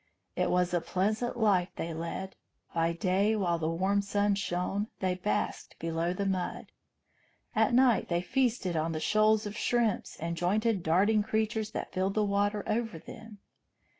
It was a pleasant life they led. By day, while the warm sun shone, they basked below the mud. At night they feasted on the shoals of shrimps and jointed darting creatures that filled the water over them.